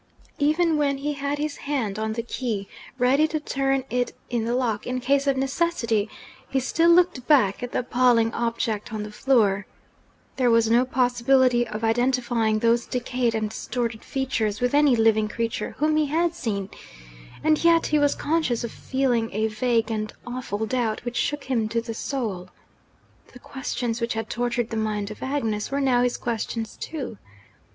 Even when he had his hand on the key, ready to turn it in the lock in case of necessity, he still looked back at the appalling object on the floor. There was no possibility of identifying those decayed and distorted features with any living creature whom he had seen and, yet, he was conscious of feeling a vague and awful doubt which shook him to the soul. The questions which had tortured the mind of Agnes, were now his questions too.